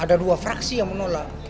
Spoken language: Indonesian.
ada dua fraksi yang menolak